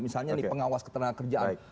misalnya nih pengawas ketenaga kerjaan